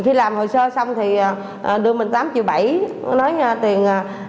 khi làm hồ sơ xong thì đưa mình tám triệu bảy nói tiền phí xăng gì đó năm trăm linh ngàn